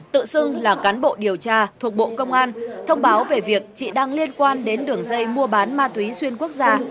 tự xưng là cán bộ điều tra thuộc bộ công an thông báo về việc chị đang liên quan đến đường dây mua bán ma túy xuyên quốc gia